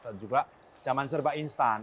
dan juga zaman serba instan